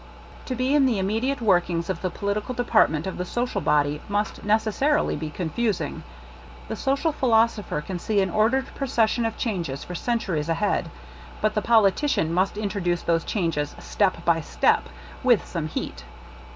To be in the immediate workings of the political department of the social body must necessarily be confusing. The social philosopher can see an ordered procession of changes for cen turies ahead, but the politician must introduce those changes step by step — with some heat.